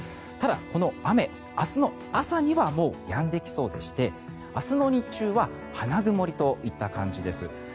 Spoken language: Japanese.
ただ、この雨、明日の朝にはもうやんできそうでして明日の日中は花曇りといった感じです。